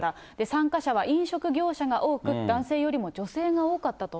参加者は飲食業者が多く、男性よりも女性が多かったと。